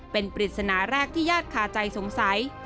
เป็นปริศนาแรกที่ญาติคาใจสงสัย